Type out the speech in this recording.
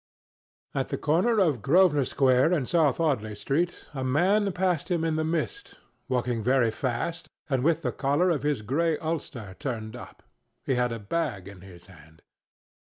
At the corner of Grosvenor Square and South Audley Street, a man passed him in the mist, walking very fast and with the collar of his grey ulster turned up. He had a bag in his hand.